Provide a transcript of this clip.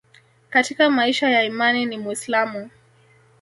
Katika maisha ya imani ni Muislamu